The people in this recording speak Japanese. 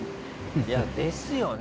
いやですよね。